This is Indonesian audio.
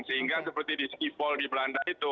sehingga seperti di ski fall di belanda itu